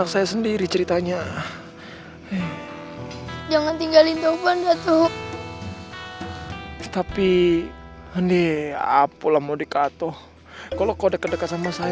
topan gak punya siapa siapa lagi